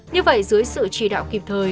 như vậy dưới sự trì đạo kịp thời